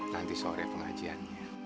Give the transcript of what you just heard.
nanti sore pengajiannya